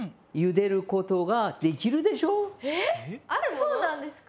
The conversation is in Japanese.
そうなんですか？